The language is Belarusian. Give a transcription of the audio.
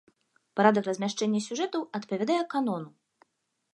Парадак размяшчэння сюжэтаў адпавядае канону.